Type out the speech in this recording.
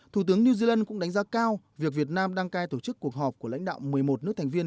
thủ tướng new zealand cũng đánh giá cao việc việt nam đăng cai tổ chức cuộc họp của lãnh đạo một mươi một nước thành viên